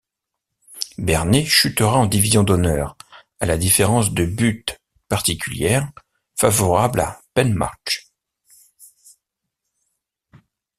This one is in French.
Berné chutera en Division d'Honneur à la différence de buts particulière, favorable à Penmarc'h.